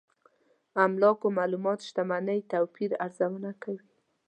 املاکو معلومات شتمنۍ توپير ارزونه کوي.